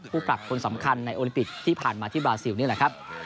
ปรับคนสำคัญในโอลิมปิกที่ผ่านมาที่บราซิลนี่แหละครับ